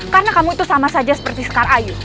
karena kamu itu sama saja seperti sekarayu